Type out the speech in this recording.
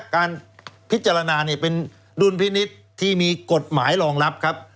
การพิจารณาเป็นดุลพินิษฐ์ที่มีกฎหมายรองรับครับ